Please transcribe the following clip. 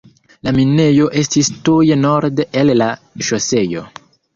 La minejo estis tuj norde el la ŝoseo.